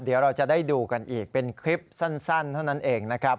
เดี๋ยวเราจะได้ดูกันอีกเป็นคลิปสั้นเท่านั้นเองนะครับ